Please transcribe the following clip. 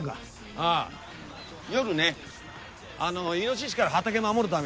あぁ夜ねイノシシから畑守るために。